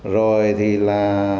rồi thì là